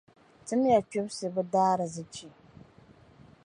Tim ya kpibsi bɛ daarzichi.